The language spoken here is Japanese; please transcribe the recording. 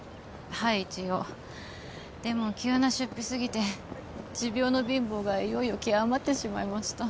はい一応でも急な出費すぎて持病の貧乏がいよいよ極まってしまいました